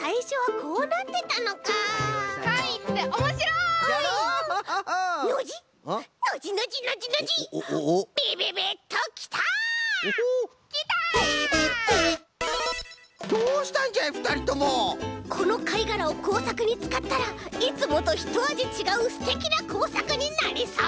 このかいがらをこうさくにつかったらいつもとひとあじちがうすてきなこうさくになりそう！